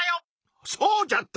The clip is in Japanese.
そうじゃった！